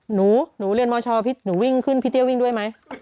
หนูหนูเรียนมชพี่หนูวิ่งขึ้นพี่เตี้ยวิ่งด้วยไหม